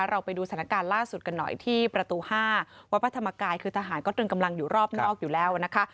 เราไปดูสถานการณ์ล่าสุดกันหน่อยที่ประตู๕วัดพระธรรมกายคือทหารก็ตรึงกำลังอยู่รอบนอกอยู่แล้วนะคะ